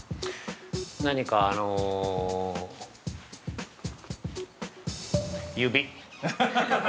◆何かあの、指。